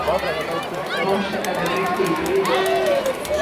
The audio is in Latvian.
Mums te tagad riktīgi līst.